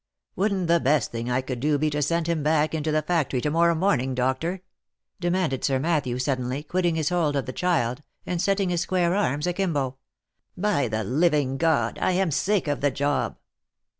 " Wouldn't the best thing I could do be to send him back into the factory to morrow morning, Doctor?" demanded Sir Matthew, sud denly quitting his hold of the child, and setting his square arms akimbo. " By the living God ! I am sick of the job."